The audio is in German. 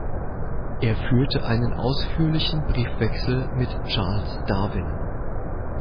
Er führte einen ausführlichen Briefwechsel mit Charles Darwin.